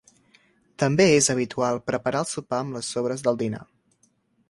També és habitual preparar el sopar amb les sobres del dinar.